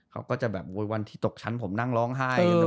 เขาก็จะแบบโวยวันที่ตกชั้นผมนั่งร้องไห้